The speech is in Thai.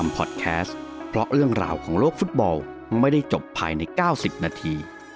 โปรดติดตามตอนต่อไป